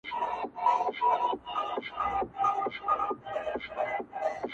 آذان پردی، چړي پردی وي خپل مُلا نه لري،